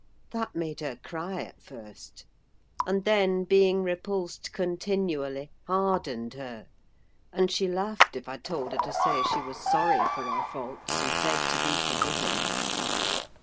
That made her cry, at first; and then being repulsed continually hardened her, and she laughed if I told her to say she was sorry for her faults, and beg to be forgiven.